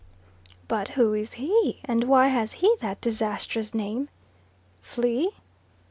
"But who is he, and why has he that disastrous name?" "Flea?